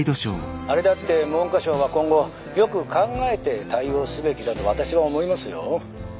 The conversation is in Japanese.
あれだって文科省は今後よく考えて対応すべきだと私は思いますよ。